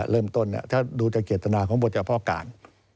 เริ่มต้นดูจากเกียรตินาของบทเฉพาะการ